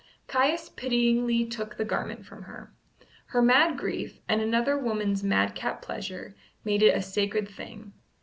Caius pityingly took the garment from her. Her mad grief, and another woman's madcap pleasure, made it a sacred thing.